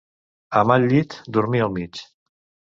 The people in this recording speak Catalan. A mal llit, dormir al mig.